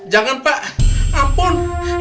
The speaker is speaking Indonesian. jangan pak ampun